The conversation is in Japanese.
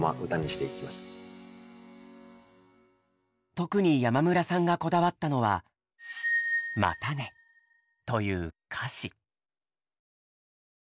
特に山村さんがこだわったのは“またね”という歌詞。